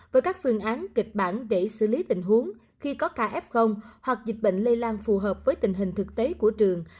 với các phương án kịch bản để xử lý tình huống khi có caf hoặc dịch bệnh lây lan phù hợp với tình hình thực tế của trường